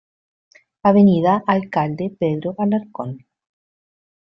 Alcalde Pedro Alarcón, av.